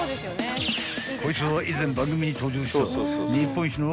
［こいつは以前番組に登場した］